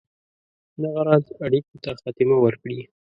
دغه راز اړېکو ته خاتمه ورکړي.